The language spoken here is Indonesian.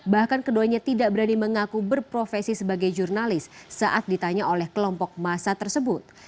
bahkan keduanya tidak berani mengaku berprofesi sebagai jurnalis saat ditanya oleh kelompok massa tersebut